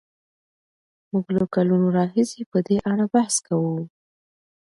موږ له کلونو راهیسې په دې اړه بحث کوو.